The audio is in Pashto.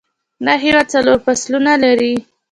دا هیواد څلور فصلونه لري